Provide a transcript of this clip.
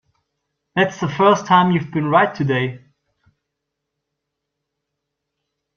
That's the first time you've been right today.